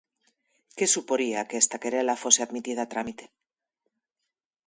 Que suporía que esta querela fose admitida a trámite?